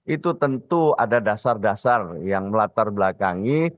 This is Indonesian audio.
itu tentu ada dasar dasar yang melatar belakangi